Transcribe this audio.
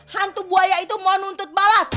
hantu buaya itu mau nuntut balas